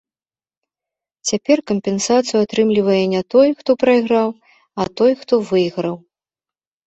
Цяпер кампенсацыю атрымлівае не той, хто прайграў, а той, хто выйграў.